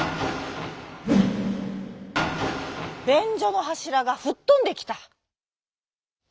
べんじょのはしらがふっとんできた。